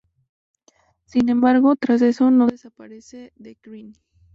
Sin embargo, tras esto, no desaparece de Krynn.